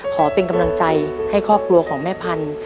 ขอเป็นกำลังใจให้ครอบครัวของแม่พันธุ